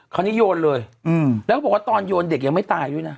คราวนี้โยนเลยแล้วก็บอกว่าตอนโยนเด็กยังไม่ตายด้วยนะ